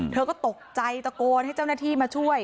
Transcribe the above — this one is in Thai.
เธอก็ตกใจตะโกนให้เจ้าหน้าที่มาช่วย